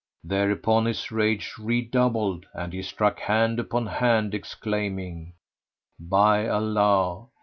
Thereupon his rage redoubled and he struck hand upon hand exclaiming, "By Allah!